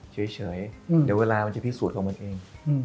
เฉยเดี๋ยวเวลามันจะพิสูจน์ของมันเอง